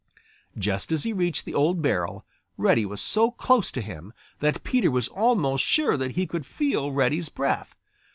Just as he reached the old barrel, Reddy was so close to him that Peter was almost sure that he could feel Reddy's breath.